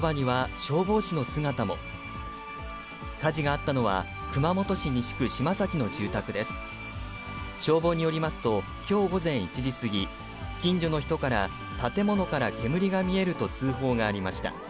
消防によりますと、きょう午前１時過ぎ、近所の人から、建物から煙が見えると通報がありました。